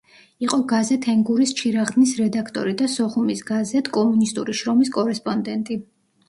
იყო გაზეთ „ენგურის ჩირაღდნის“ რედაქტორი და სოხუმის გაზეთ „კომუნისტური შრომის“ კორესპონდენტი.